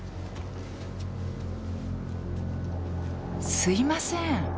すいません。